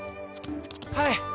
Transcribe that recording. はい。